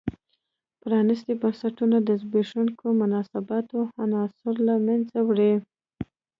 پرانیستي بنسټونه د زبېښونکو مناسباتو عناصر له منځه وړي.